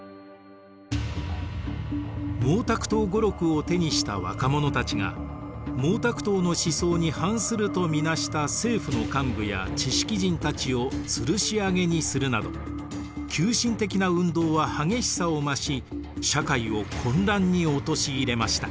「毛沢東語録」を手にした若者たちが毛沢東の思想に反すると見なした政府の幹部や知識人たちをつるし上げにするなど急進的な運動は激しさを増し社会を混乱に陥れました。